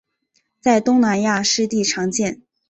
在东南亚湿地常见。